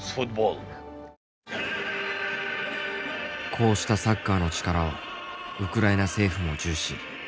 こうしたサッカーの力をウクライナ政府も重視。